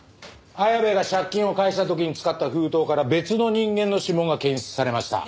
綾部が借金を返した時に使った封筒から別の人間の指紋が検出されました。